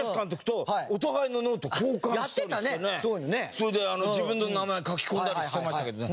それで自分の名前書き込んだりしてましたけどね。